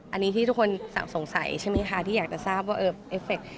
อันนี้ที่ทุกคนสงสัยใช่ไหมคะที่อยากจะทราบว่าเอฟเฟค